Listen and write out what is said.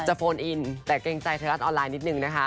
โฟนอินแต่เกรงใจไทยรัฐออนไลน์นิดนึงนะคะ